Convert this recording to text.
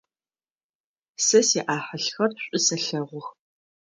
Сэ сиӏахьылхэр шӏу сэлъэгъух.